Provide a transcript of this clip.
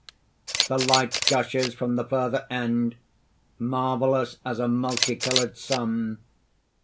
_ _The light gushes from the further end, marvellous as a multi colored sun.